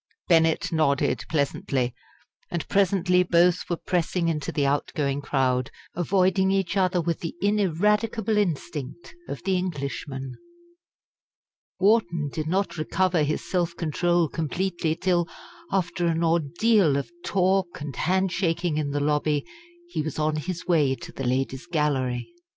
Bennett nodded pleasantly, and presently both were pressing into the out going crowd, avoiding each other with the ineradicable instinct of the Englishman. Wharton did not recover his self control completely till, after an ordeal of talk and handshaking in the lobby, he was on his way to the Ladies' Gallery.